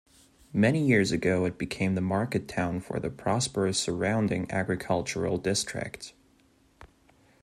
Many years ago it became the market town for the prosperous surrounding agricultural district.